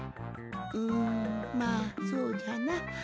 んまあそうじゃな。